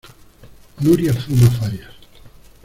Nuria fuma farias.